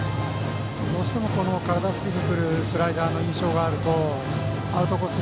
どうしても体付近に来るスライダーの印象があるとアウトコース